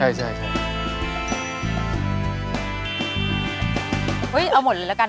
เอาหมดเลยแล้วกันนะ